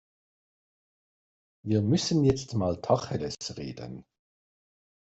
Wir müssen jetzt mal Tacheles reden.